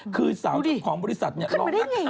คือสาวของบริษัทเนี่ยลองนักข่าว